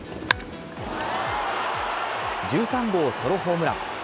１３号ソロホームラン。